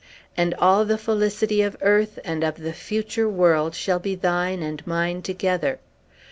And all the felicity of earth and of the future world shall be thine and mine together.